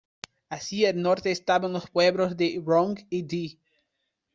Hacia el norte estaban los pueblos de Wrong y Di.